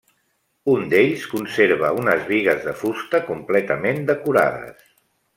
Un d'ells conserva unes bigues de fusta completament decorades.